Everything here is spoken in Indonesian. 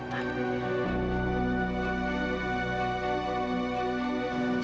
mereka gak tahu